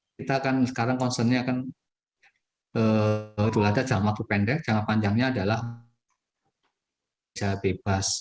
kita akan sekarang concernnya akan berulang dari jangka panjangnya adalah bebas